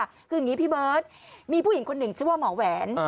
คืออย่างนี้พี่เบิร์ตมีผู้หญิงคนหนึ่งชื่อว่าหมอแหวน